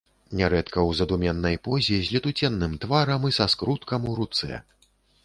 Нярэдка ў задуменнай позе, з летуценным тварам і са скруткам у руцэ.